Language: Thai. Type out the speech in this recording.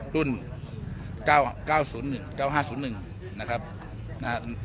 รุ่นเก้าเก้าศูนย์หนึ่งเก้าห้าศูนย์หนึ่งนะครับนะฮะ